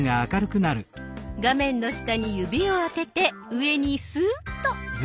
画面の下に指をあてて上にスーッと。